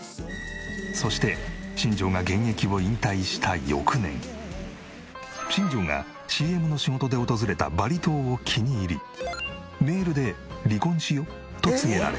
そして新庄が現役を引退した翌年新庄がＣＭの仕事で訪れたバリ島を気に入りメールで「離婚しよ」と告げられ。